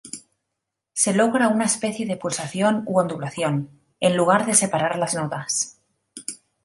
Se logra una especie de pulsación u ondulación, en lugar de separar las notas.